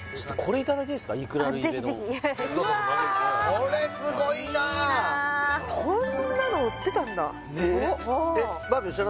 これすごいなこんなの売ってたんだねえ！